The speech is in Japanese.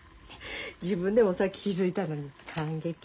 自分でもさっき気付いたのに感激。